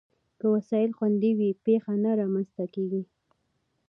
که وسایل خوندي وي، پېښه نه رامنځته کېږي.